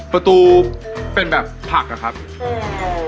ประตูเป็นแบบผักอะครับ